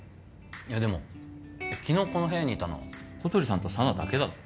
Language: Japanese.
いやでも昨日この部屋にいたの小鳥さんと佐奈だけだぞ？